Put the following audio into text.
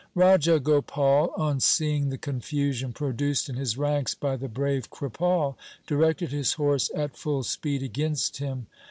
Raja Gopal, on seeing the confusion produced in his ranks by the brave Kripal, directed his horse at full speed against him.